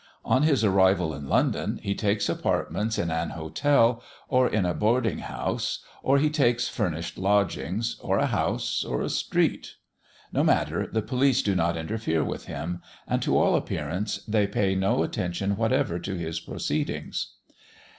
On his arrival in London, he takes apartments in an hotel, or in a boarding house, or he takes furnished lodgings, or a house, or a street; no matter, the police do not interfere with him; and to all appearance they pay no attention whatever to his proceedings.